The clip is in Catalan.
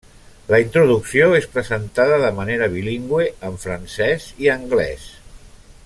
La introducció és presentada de manera bilingüe, en francès i anglès.